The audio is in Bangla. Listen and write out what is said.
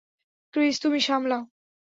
ক্রিস, তুমি সামলাও।